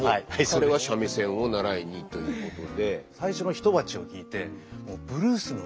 彼は三味線を習いにということで。